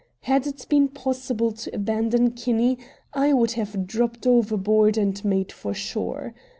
Had it been possible to abandon Kinney, I would have dropped overboard and made for shore.